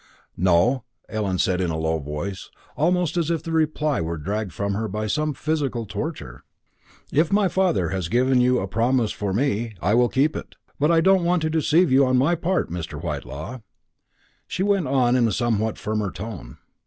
"No," Ellen said in a low voice, almost as if the reply were dragged from her by some physical torture. "If my father has given you a promise for me, I will keep it. But I don't want to deceive you, on my part, Mr. Whitelaw," she went on in a somewhat firmer tone.